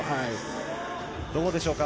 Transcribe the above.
どうでしょうか。